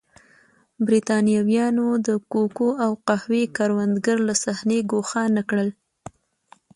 برېټانویانو د کوکو او قهوې کروندګر له صحنې ګوښه نه کړل.